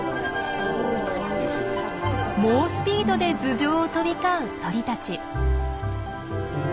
猛スピードで頭上を飛び交う鳥たち。